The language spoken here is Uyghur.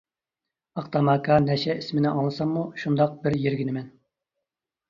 ئاق تاماكا، نەشە ئىسمىنى ئاڭلىساممۇ، شۇنداق بىر يىرگىنىمەن.